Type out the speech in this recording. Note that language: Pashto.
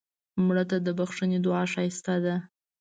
مړه ته د بښنې دعا ښایسته ده